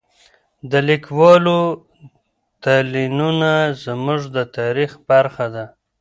د لیکوالو تلینونه زموږ د تاریخ برخه ده.